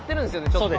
ちょっと。